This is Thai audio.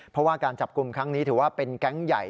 เพราะว่าการจับกลุ่มครั้งนี้ถือว่าเป็นแก๊งใหญ่